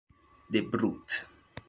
The Brute